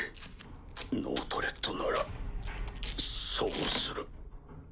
ノートレットならそうする。